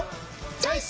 チョイス！